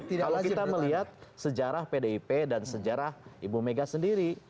kalau kita melihat sejarah pdip dan sejarah ibu mega sendiri